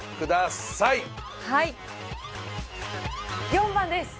４番です。